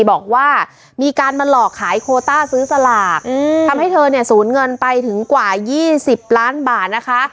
บอกว่ามีการมาหลอกขายโคต้าซื้อสลากทำให้เธอเนี่ยสูญเงินไปถึงกว่า๒๐ล้านบาทนะคะ